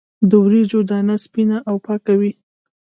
د وریجو دانه سپینه او پاکه وي.